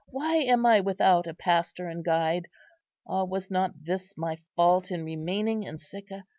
why am I without a pastor and guide? Ah, was not this my fault in remaining in Sicca?